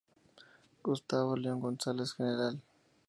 Gustavo León González, Gral.